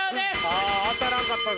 あ当たらんかったか。